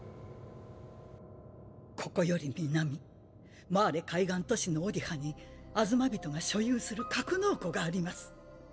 ここより南マーレ海岸都市のオディハにアズマビトが所有する格納庫があります。